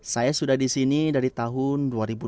saya sudah di sini dari tahun dua ribu dua puluh satu